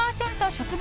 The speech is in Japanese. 植物